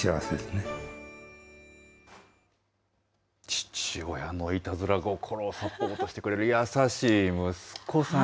父親のいたずら心をサポートしてくれる優しい息子さん。